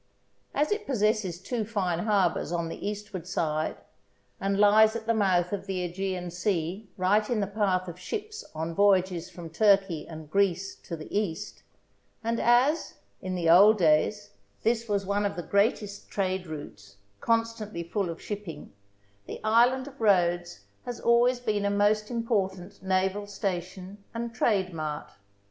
As it possesses two fine harbours on the eastward side and lies at the mouth of the iEgean Sea right in the path of ships on voyages from Turkey and Greece to the East, and as, in the old days, this was one of the greatest trade routes, constantly full of shipping, the Island of Rhodes has always been a most important naval station and trade mart.